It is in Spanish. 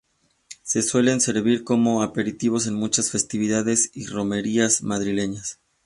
Se suelen servir como aperitivo en muchas festividades y romerías madrileñas.